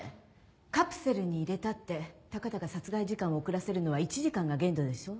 カプセルに入れたってたかだか殺害時間を遅らせるのは１時間が限度でしょ？